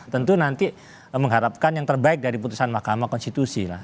tentu nanti mengharapkan yang terbaik dari putusan mahkamah konstitusi lah